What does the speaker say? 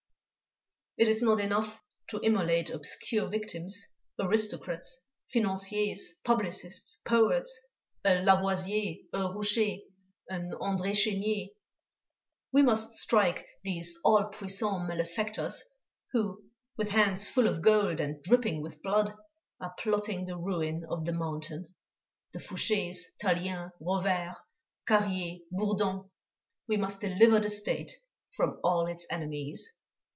"It is not enough to immolate obscure victims, aristocrats, financiers, publicists, poets, a Lavoisier, a Roucher, an André Chénier. We must strike these all puissant malefactors who, with hands full of gold and dripping with blood, are plotting the ruin of the Mountain the Fouchers, Talliens, Rovères, Carriers, Bourdons. We must deliver the State from all its enemies.